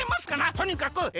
とにかくえ